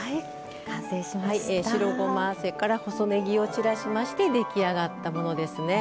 白ごま、細ねぎを散らしまして出来上がったものですね。